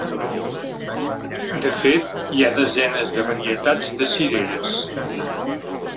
De fet, hi ha desenes de varietats de cireres.